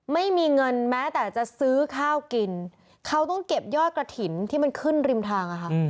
ไม่มีเงินแม้แต่จะซื้อข้าวกินเขาต้องเก็บยอดกระถิ่นที่มันขึ้นริมทางอะค่ะ